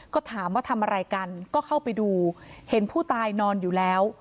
ก็ถามว่าทำอะไรกันก็เข้าไปดูเห็นผู้ตายนอนอยู่แล้ว